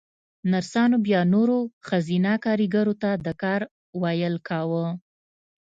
نرسانو بيا نورو ښځينه کاريګرو ته د کار ويل کاوه.